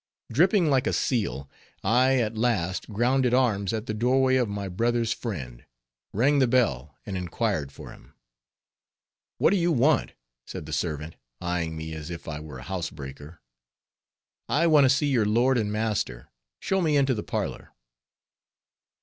Dripping like a seal, I at last grounded arms at the doorway of my brother's friend, rang the bell and inquired for him. "What do you want?" said the servant, eying me as if I were a housebreaker. "I want to see your lord and master; show me into the parlor."